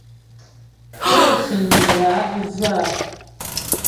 Pó fíŋ mlǎ'və a ?